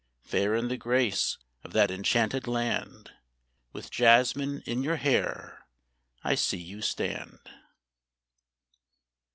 Fair in the grace of that enchanted land, With jasmine in your hair, I see you stand.